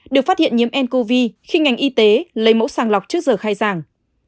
được phát hiện nhiễm ncov khi ngành y tế lấy mẫu sàng lọc trước giờ khai giảng